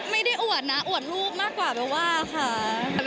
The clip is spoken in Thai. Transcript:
มั้ยก็ไม่ได้อวดนะอวดรูปมากกว่าแบบว่าค่ะ